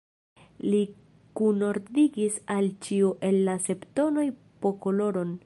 Li kunordigis al ĉiu el la sep tonoj po koloron.